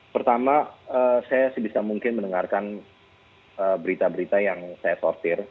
pertama saya sebisa mungkin mendengarkan berita berita yang saya sortir